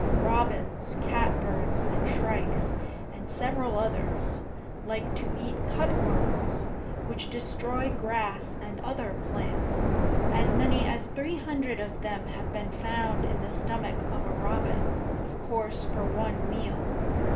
Robins, cat birds, and shrikes, and several others, like to eat cutworms, which destroy grass and other plants. As many as three hundred of them have been found in the stomach of a robin, of course for one meal.